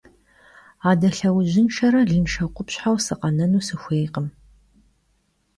Ade lheujınşşere lınşşe khupşheu sıkhenenu sıxuêykhım.